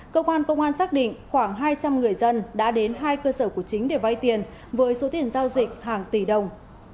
cơ quan công an xác định khoảng hai trăm linh người dân đã đến hai cơ sở của chính để vay tiền với số tiền giao dịch hàng tỷ đồng